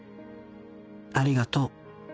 ありがとう。